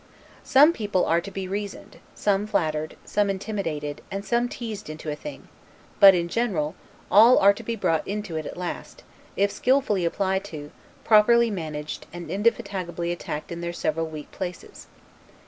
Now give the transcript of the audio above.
Some people are to be reasoned, some flattered, some intimidated, and some teased into a thing; but, in general, all are to be brought into it at last, if skillfully applied to, properly managed, and indefatigably attacked in their several weak places.